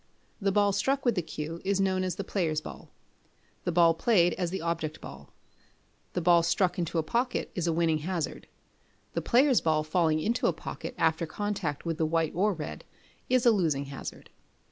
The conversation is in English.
The ball struck with the cue is known as the player's ball; the ball played as the object ball. A ball struck into a pocket, is a winning hazard; the player's ball falling into a pocket after contact with the white or red, is a losing hazard.